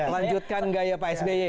lanjutkan gaya pak sby